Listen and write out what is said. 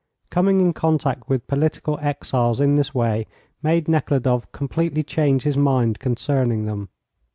Coming in contact with political exiles in this way made Nekhludoff completely change his mind concerning them.